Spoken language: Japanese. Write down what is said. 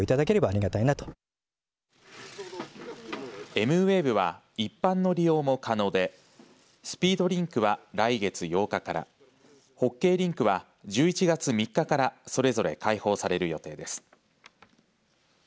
エムウェーブは一般の利用も可能でスピードリンクは来月８日からホッケーリンクは１１月３日からそれぞれ開放される予定です。